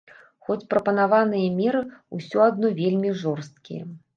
Хоць прапанаваныя меры ўсё адно вельмі жорсткія.